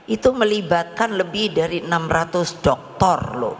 itu melibatkan lebih dari enam ratus doktor loh